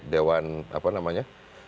dewan apa namanya